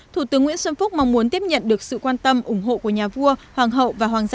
thủ tướng nguyễn xuân phúc mong muốn tiếp nhận được sự quan tâm ủng hộ của nhà vua hoàng hậu và hoàng gia